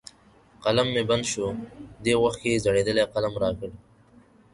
قلم مې بند شو، دې وخت کې یې زړېدلی قلم را کړ.